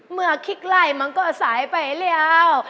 เมื่อกี้ไล่มันก็สายไปแล้ว